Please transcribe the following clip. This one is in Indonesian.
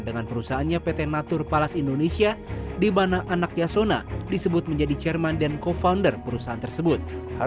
dengan perusahaannya pt natur palas indonesia di mana anak yasona disebut menjadi chairman dan co founder perusahaan tersebut